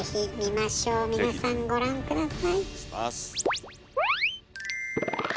皆さんご覧下さい。